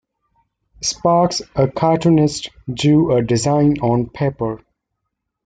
Sparks, a cartoonist, drew a design on paper.